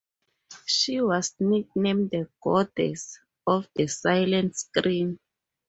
She was nicknamed "The Goddess of the Silent Screen".